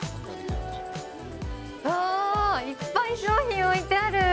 うわー、いっぱい商品、置いてある。